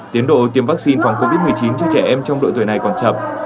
tiến độ tiêm vaccine phòng covid một mươi chín cho trẻ em trong độ tuổi này còn chậm